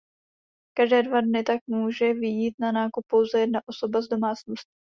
Každé dva dny tak může vyjít na nákup pouze jedna osoba z domácnosti.